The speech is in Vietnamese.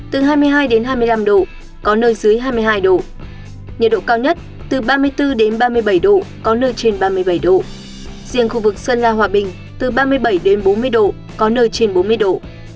từ hai mươi hai đến hai mươi năm độ có nơi dưới hai mươi hai độ nhiệt độ cao nhất từ ba mươi bốn đến ba mươi bảy độ có nơi trên ba mươi bảy độ riêng khu vực sơn la hòa bình từ ba mươi bảy đến bốn mươi độ có nơi trên bốn mươi độ